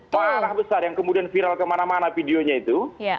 marah besar yang kemudian viral kemana mana videonya itu